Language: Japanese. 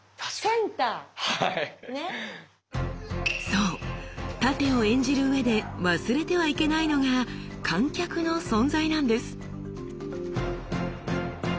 そう殺陣を演じるうえで忘れてはいけないのが観客の存在なんです。